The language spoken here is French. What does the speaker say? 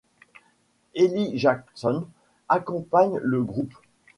Elly Jackson accompagne le groupe.